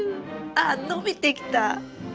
あ伸びてきた。